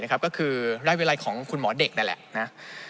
ก็คือราชวิรัยของคุณหมอเด็กนั่นแหละ